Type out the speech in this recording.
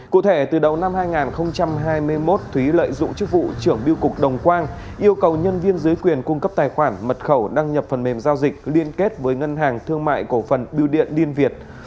cụ thể từ đầu năm hai nghìn hai mươi một thúy lợi dụng chức vụ trưởng biêu cục đồng quang yêu cầu nhân viên dưới quyền cung cấp tài khoản mật khẩu đăng nhập phần mềm giao dịch liên kết với ngân hàng thương mại cổ phần biêu điện liên việt